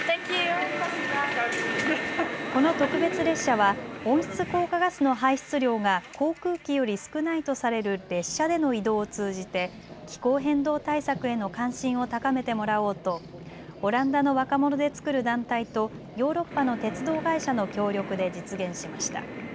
この特別列車は温室効果ガスの排出量が航空機より少ないとされる列車での移動を通じて気候変動対策への関心を高めてもらおうとオランダの若者で作る団体とヨーロッパの鉄道会社の協力で実現しました。